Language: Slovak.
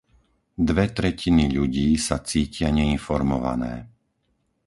Dve tretiny ľudí sa cítia neinformované.